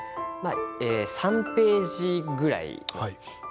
３ページぐらい。